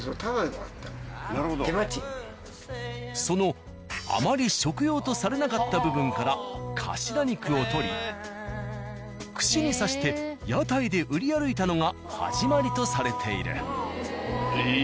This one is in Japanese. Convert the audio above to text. そのあまり食用とされなかった部分からカシラ肉を取り串に刺して屋台で売り歩いたのが始まりとされている。